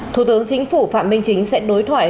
thủ tướng chính phủ phạm minh chính sẽ đối thoại